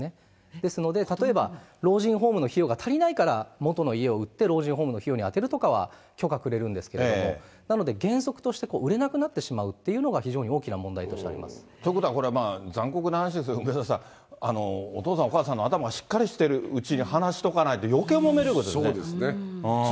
ですので、例えば老人ホームの費用が足りないから、元の家を売って、老人ホームの費用に充てるとかは許可くれるんですけれども、なので原則として、売れなくなってしまうというのが、非常に大きな問ということはこれ、残酷な話ですけれども、梅沢さん、お父さん、お母さんの頭がしっかりしているうちに話しとかないと、よけいもめるということですね。